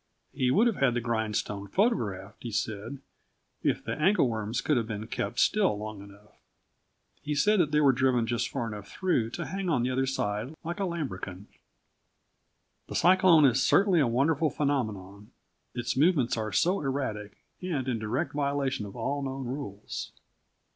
He would have had the grindstone photographed, he said, if the angle worms could have been kept still long enough. He said that they were driven just far enough through to hang on the other side like a lambrequin. The cyclone is certainly a wonderful phenomenon, its movements are so erratic, and in direct violation of all known rules.